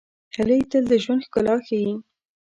هیلۍ تل د ژوند ښکلا ښيي